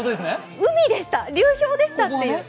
海でした、流氷でしたっていう。